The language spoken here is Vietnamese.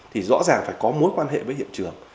thì rõ ràng phải có mối quan hệ với hiện trường